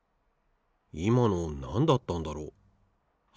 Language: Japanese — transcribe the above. いまのなんだったんだろう？